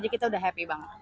kita udah happy banget